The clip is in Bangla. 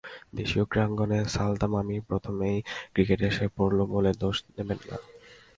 দেশীয় ক্রীড়াঙ্গনের সালতামামির প্রথমেই ক্রিকেট এসে পড়ল বলে দোষ নেবেন না।